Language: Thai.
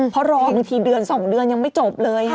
เพราะรอบางทีเดือน๒เดือนยังไม่จบเลยค่ะ